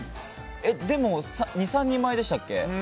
でも、２３人前でしたっけ？